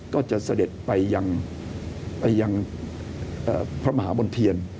ก็จะเสด็จไปยังพระมหาบนเทียน